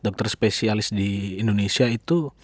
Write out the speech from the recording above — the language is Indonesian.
dokter spesialis di indonesia itu